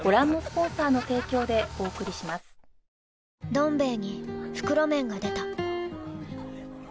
「どん兵衛」に袋麺が出た